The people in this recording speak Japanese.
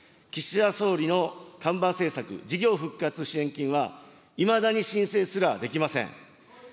岸田総理の看板政策、事業復活支援金は、いまだに申請すらできません。